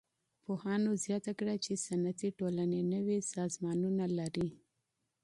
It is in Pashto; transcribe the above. پوهانو زياته کړه چي صنعتي ټولني نوي سازمانونه لري.